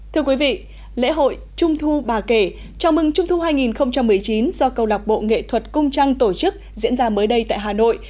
thưa quý vị lễ hội trung thu bà kể chào mừng trung thu hai nghìn một mươi chín do câu lạc bộ nghệ thuật cung trăng tổ chức diễn ra mới đây tại hà nội